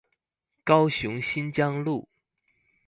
高雄新疆路